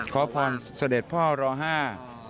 ขอพรเสด็จพ่อรอห้า